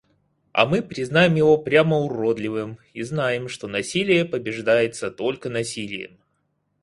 А мы признаем его прямо уродливым и знаем, что насилие побеждается только насилием.